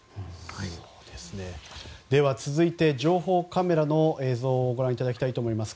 では、続いて情報カメラの映像をご覧いただきます。